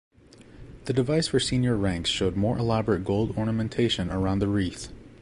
The device for senior ranks showed more elaborate gold ornamentation around the wreath.